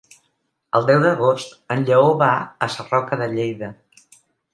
El deu d'agost en Lleó va a Sarroca de Lleida.